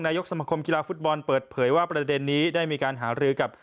ยกสมคมกีฬาฟุตบอลเปิดเผยว่าประเด็นนี้ได้มีการหารือกับ